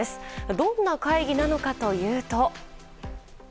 どんな会議なのかというと。